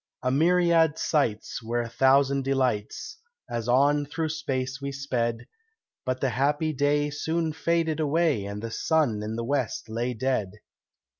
A myriad sights were a thousand delights As on through space we sped, But the happy day soon faded away And the sun in the west lay dead.